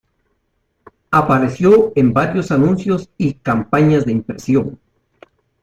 Apareció en varios anuncios y campañas de impresión.